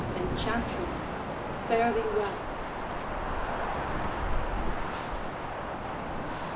Enchantress, fare thee well!